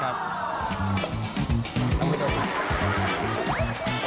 ได้ปะ